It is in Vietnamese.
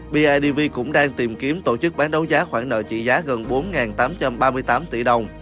bidv cũng đang tìm kiếm tổ chức bán đấu giá khoản nợ trị giá gần bốn tám trăm ba mươi tám tỷ đồng